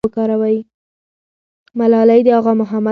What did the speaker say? ملالۍ د اغا محمد لور ده.